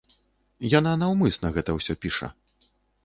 Яна наўмысна гэта ўсё піша.